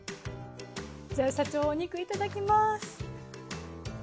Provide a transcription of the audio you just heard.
じゃあ社長お肉いただきます。